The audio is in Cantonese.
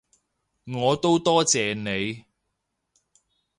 我都多謝你